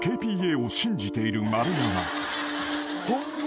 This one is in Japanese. ＫＰＡを信じている丸山］